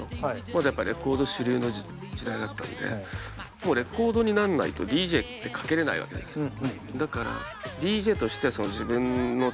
まだやっぱレコード主流の時代だったんでもうレコードになんないとＤＪってかけれないわけですよ。